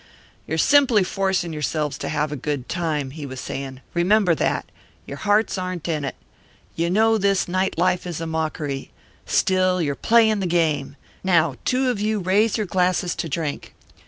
"You're simply forcing yourselves to have a good time," he was saying; "remember that. Your hearts aren't in it. You know this night life is a mockery. Still, you're playing the game. Now, two of you raise your glasses to drink.